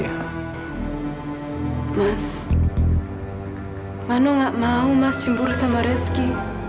mas mas mas gak mau mas simpur sama reski